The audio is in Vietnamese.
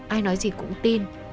ai nói gì cũng tin